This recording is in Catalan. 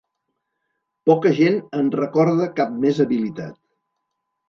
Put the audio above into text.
Poca gent en recorda cap més habilitat.